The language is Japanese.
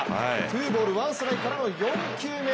ツーボールワンストライクからの４球目。